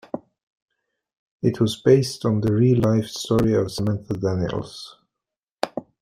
It was based on the real-life story of Samantha Daniels.